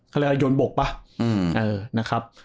เขาเรียกว่ายนต์บกป่ะนะครับ